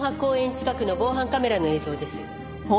近くの防犯カメラの映像です。